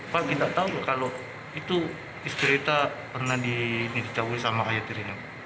kami tidak tahu kalau itu istri kita pernah ditahui sama ayah tirinya